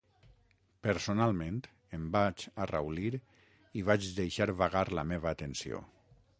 Personalment, em vaig arraulir i vaig deixar vagar la meva atenció.